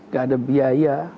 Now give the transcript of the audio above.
gak ada biaya